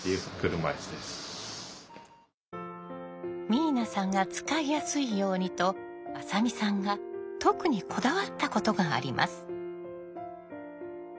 明奈さんが使いやすいようにと浅見さんが特にこだわったことがあります。